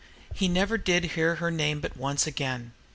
He never did hear her name but once again.